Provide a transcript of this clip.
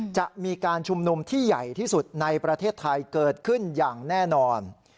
จะมีการชุมนุมที่ใหญ่ที่สุดในประเทศไทยเกิดขึ้นอย่างแน่นอน